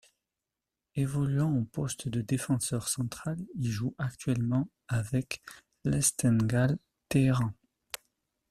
Évoluant au poste de défenseur central, il joue actuellement avec l'Esteghlal Téhéran.